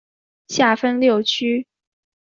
下分六区。